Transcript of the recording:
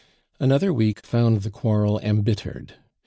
Another week found the quarrel embittered.